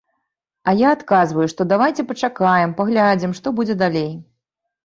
А я адказваю, што давайце пачакаем, паглядзім што будзе далей.